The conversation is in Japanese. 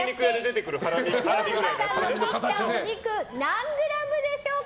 清塚さんが切ったお肉何グラムでしょうか。